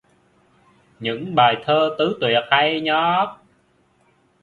Những bài thơ tứ tuyệt hay nhất